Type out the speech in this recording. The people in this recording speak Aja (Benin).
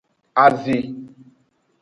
Aze.